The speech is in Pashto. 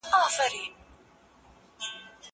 زه له سهاره سندري اورم!؟